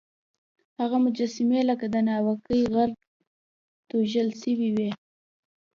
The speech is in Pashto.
هغه مجسمې لکه د ناوکۍ غر توږل سوی وې.